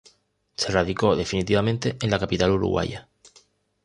Se radicó definitivamente en la capital uruguaya.